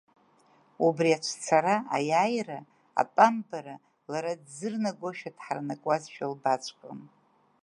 Убри ацәцара, аиааира атәамбара лара дӡырнагошәа, дҳаранакуазшәа лбаҵәҟьон…